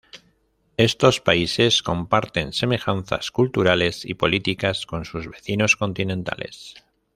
Estos países comparten semejanzas culturales y políticas con sus vecinos continentales.